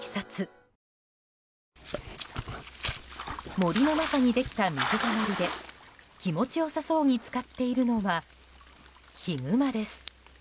森の中にできた水たまりで気持ち良さそうに浸かっているのはヒグマです。